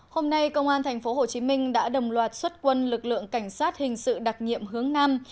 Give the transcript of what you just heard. hôm nay công an tp hcm đã đồng loạt xuất quân lực lượng cảnh sát hình sự đặc nhiệm hướng nam